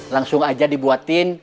langsung aja dibuatin